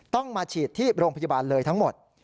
ต้องมาฉีดที่โรงพยาบาลเลยทั้งหมด